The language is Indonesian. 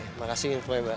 oke makasih informasi mbak